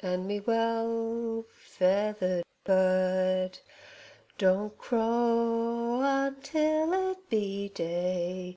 An' me well feathered bird. Don't crow until it be day.